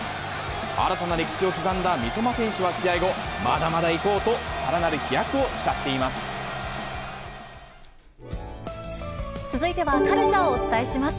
新たな歴史を刻んだ三笘選手は試合後、まだまだいこうと、さらな続いてはカルチャーをお伝えします。